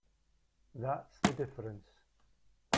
That's the difference.